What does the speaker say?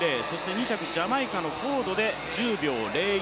２着、ジャマイカのフォードで１０秒０１。